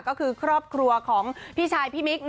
ก็คือครอบครัวของพี่ชายพี่มิ๊ก